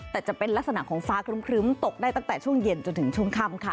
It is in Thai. แต่จะเป็นลักษณะของฟ้าครึ้มตกได้ตั้งแต่ช่วงเย็นจนถึงช่วงค่ำค่ะ